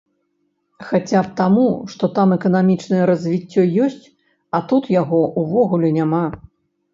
Хаця б таму, што там эканамічнае развіццё ёсць, а тут яго ўвогуле няма.